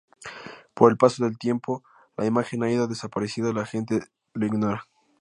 Por el paso del tiempo, la imagen ha ido desapareciendo, la gente lo ignora.